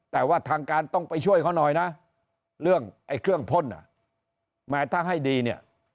แต่ว่าทางการต้องไปช่วยเขาหน่อยนะเรื่องไอ้เครื่องพ่นแม้ถ้าให้ดีเนี่ย